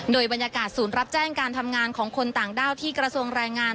โดยบรรยากาศศูนย์รับแจ้งการทำงานของคนต่างด้าวที่กระทรวงแรงงาน